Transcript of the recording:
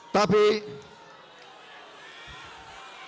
tapi kita harus bangkit